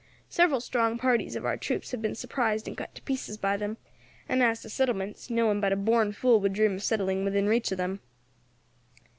Several strong parties of our troops have been surprised and cut to pieces by them; and as to settlements, no one but a born fool would dream of settling within reach of them.